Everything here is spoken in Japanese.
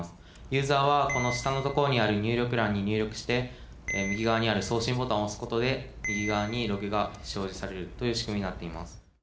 ユーザーはこの下のところにある入力欄に入力して右側にある送信ボタンを押すことで右側にログが表示されるというしくみになっています。